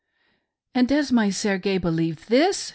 "And does my SSrge beheve this.'"